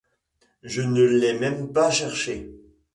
Je ne l’ai même pas cherché.